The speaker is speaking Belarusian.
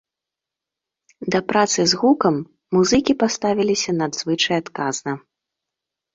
Да працы з гукам музыкі паставіліся надзвычай адказна.